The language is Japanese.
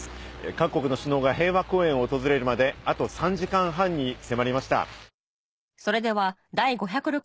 各国の首脳が平和公園を訪れるまであと３時間半に迫りました。